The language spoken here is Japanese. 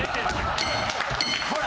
ほら！